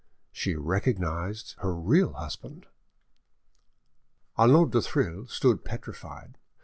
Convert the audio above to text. .. she recognised her real husband! Arnauld du Thill stood petrified.